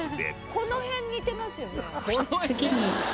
このへん似てますよね。